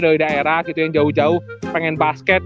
dari daerah gitu yang jauh jauh pengen basket